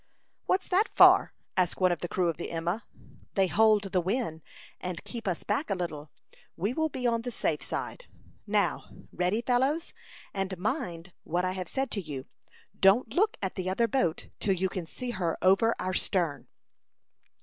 "What's that for?" asked one of the crew of the Emma. "They hold the wind, and keep us back a little. We will be on the safe side. Now, ready, fellows, and mind what I have said to you. Don't look at the other boat till you can see her over our stern."